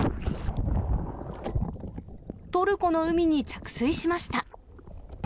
トルコの海に着水しました。